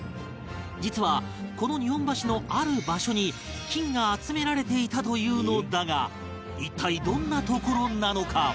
実はこの日本橋のある場所に金が集められていたというのだが一体どんな所なのか？